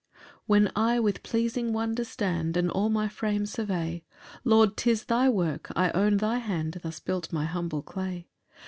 1 When I with pleasing wonder stand, And all my frame survey, Lord, 'tis thy work; I own thy hand Thus built my humble clay.